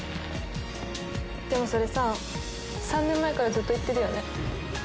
でもそれさ３年前からずっと言ってるよね。